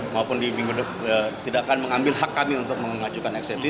maupun tidak akan mengambil hak kami untuk mengajukan eksepsi